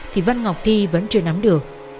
thì văn ngọc thi vẫn chưa nắm được